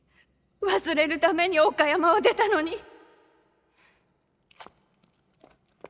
忘れるために岡山を出たのに。